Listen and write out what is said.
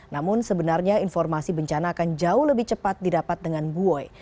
namun sebenarnya informasi bencana akan jauh lebih cepat didapat dengan buoy